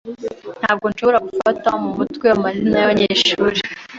Ntabwo nshobora gufata mu mutwe amazina yabanyeshuri.